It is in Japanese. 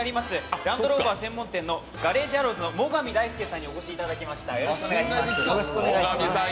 ランドローバー専門店のＧＡＲＡＧＥＡＲＲＯＷＳの最上大介さんにお越しいただきました。